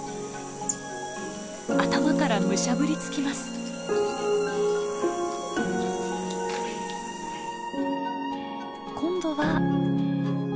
頭からむしゃぶりつきます。今度は。